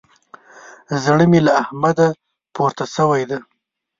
زړه مې له احمده پورته سوی دی.